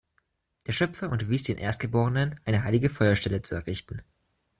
Der Schöpfer unterwies den Erstgeborenen, eine heilige Feuerstelle zu errichten.